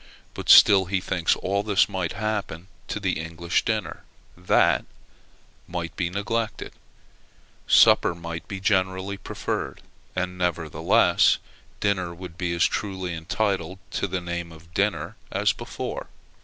But still he thinks all this might happen to the English dinner that might be neglected; supper might be generally preferred; and, nevertheless, dinner would be as truly entitled to the name of dinner as before.